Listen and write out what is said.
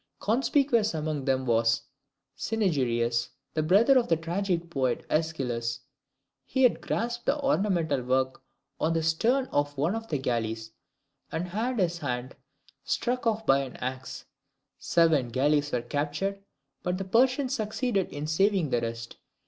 Conspicuous among them was Cynaegeirus, the brother of the tragic poet AEschylus. He had grasped the ornamental work on the stern of one of the galleys, and had his hand struck off by an axe. Seven galleys were captured; but the Persians succeeded in saving the rest.